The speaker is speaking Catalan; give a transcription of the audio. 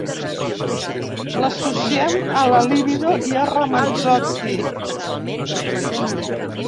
L'associem a la libido i a Ramazzotti.